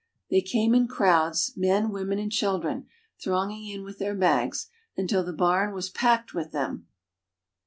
They came in crowds, men, women, and children, thronging in with their bags, until the barn was packed with them.